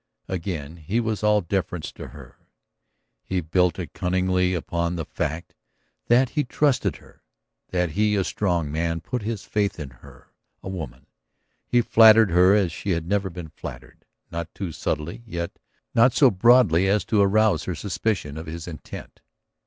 Again he was all deference to her. He builded cunningly upon the fact that he trusted her; that he, a strong man, put his faith in her, a woman. He flattered her as she had never been flattered, not too subtly, yet not so broadly as to arouse her suspicion of his intent.